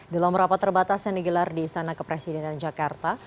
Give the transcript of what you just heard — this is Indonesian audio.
dalam rapat terbatas yang digelar di sana ke presiden dan jakarta